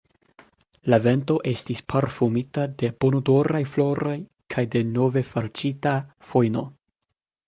La vento estis parfumita de bonodoraj floroj kaj de novefalĉita fojno.